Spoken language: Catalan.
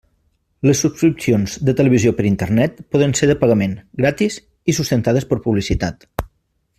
Les subscripcions de televisió per Internet poden ser de pagament, gratis i sustentades per publicitat.